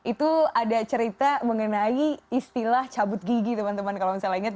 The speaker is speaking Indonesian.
itu ada cerita mengenai istilah cabut gigi teman teman kalau misalnya ingat